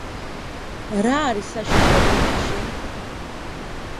რა არის საშიში ადამიანში?